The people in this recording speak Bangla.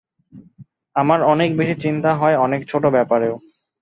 আমার অনেক বেশি চিন্তা হয় অনেক ছোট ব্যাপারেও।